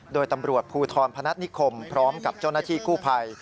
โดยตำรวจภูทรพนัสนิคคมพร้อมกับจนนาที่คู่ภัย